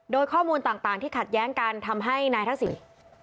โดยข้อมูลต่างที่ขัดแย้งกันทำให้นายทักษิณ